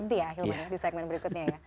nanti ya hilma ya di segmen berikutnya ya